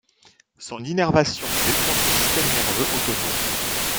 Son innervation dépend du système nerveux autonome.